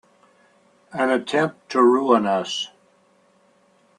An attempt to ruin us!